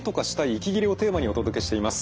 息切れ」をテーマにお届けしています。